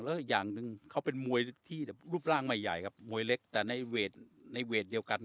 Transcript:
แล้วอีกอย่างหนึ่งเขาเป็นมวยที่รูปร่างไม่ใหญ่ครับมวยเล็กแต่ในเวทเดียวกัน